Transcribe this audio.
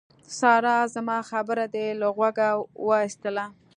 سارا! زما خبره دې له غوږه واېستله.